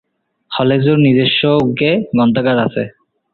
কলেজটির নিজস্ব একটি গ্রন্থাগার আছে।